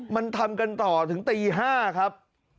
มันทำกันต่อถึงตี๕ครับ